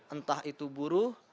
entah itu buruh